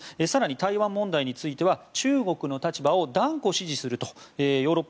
更に台湾問題については中国の立場を断固支持すると。